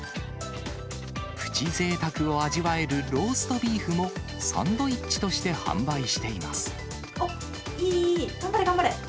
プチぜいたくを味わえるローストビーフも、サンドイッチとして販おっ、いい、頑張れ、頑張れ。